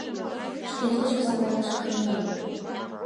Шкеж деч осалракше кырен гын